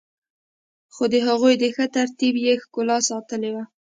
خو د هغوی ښه ترتیب يې ښکلا ساتلي وه.